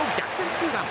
ツーラン。